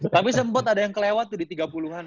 tapi sempat ada yang kelewat tuh di tiga puluh an